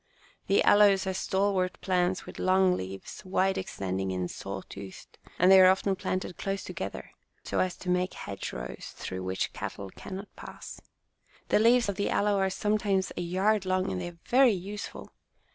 The aloes are stalwart plants with long leaves, wide extending and saw toothed, and they are often planted close together so as to make hedgerows through which cattle can not pass. The leaves of the aloe are sometimes a yard long, and they are very useful.